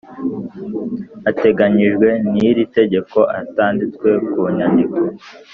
ateganyijwe n iri tegeko atanditswe ku nyandiko